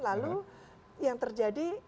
lalu yang terjadi